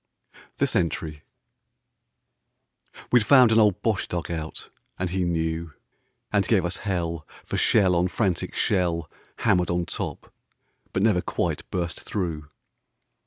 THE SENTRY. T T TE'D found an old Bosche dug out, and he knew, V V And gave us hell, for shell on frantic shell 1 lammered on top, but never quite burst through.